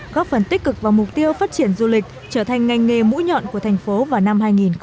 góp phần tích cực vào mục tiêu phát triển du lịch trở thành ngành nghề mũi nhọn của thành phố vào năm hai nghìn ba mươi